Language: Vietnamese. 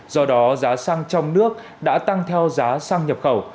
do đó giá xăng trong nước đã tăng theo giá xăng nhập khẩu